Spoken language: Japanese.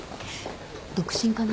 独身かな？